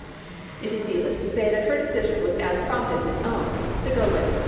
It is needless to say that her r> (i decision was as prompt as his own, to go with her